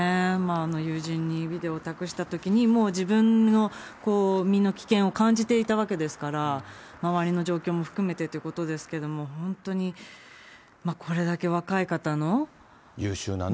友人にビデオを託したときに、もう自分の身の危険を感じていたわけですから、周りの状況も含めてということですけども、優秀なね。